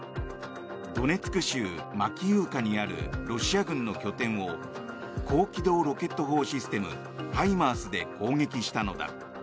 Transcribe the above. ドネツク州マキイウカにあるロシア軍の拠点を高機動ロケット砲システムＨＩＭＡＲＳで攻撃したのだ。